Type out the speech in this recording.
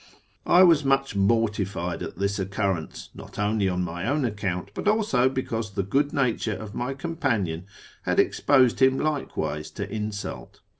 I was much mortified at this occurrence, not only on my own account, but also because the good nature of my companion had exposed him likewise to insult.